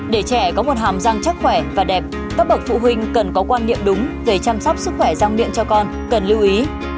để trẻ có một hàm răng chắc khỏe và đẹp các bậc phụ huynh cần có quan niệm đúng về chăm sóc sức khỏe răng miệng cho con cần lưu ý